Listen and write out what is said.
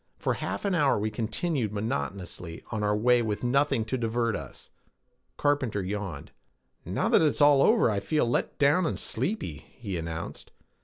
For half an hour we continued monotonously on our way with nothing to divert us. Carpenter yawned. "Now that it's all over, I feel let down and sleepy," he announced.